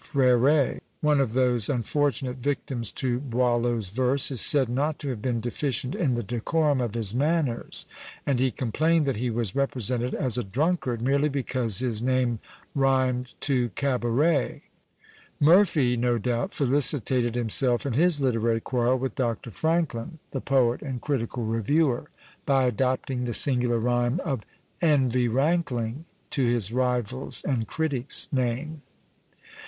Freret, one of those unfortunate victims to Boileau's verse, is said not to have been deficient in the decorum of his manners, and he complained that he was represented as a drunkard, merely because his name rhymed to Cabaret. Murphy, no doubt, felicitated himself in his literary quarrel with Dr. Franklin, the poet and critical reviewer, by adopting the singular rhyme of "envy rankling" to his rival's and critic's name.